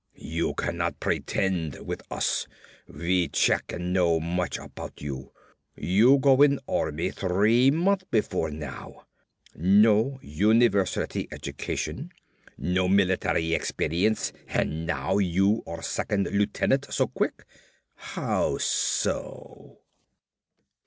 You cannot pretend with us. We check and know much about you. You go in army three month before now. No university education, no military experience and now you are second lieutenant so quick. How so?"